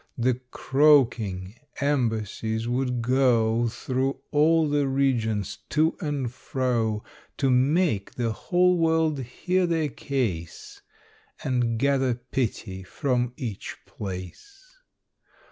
The croaking embassies would go Through all the regions, to and fro, To make the whole world hear their case, And gather pity from each place.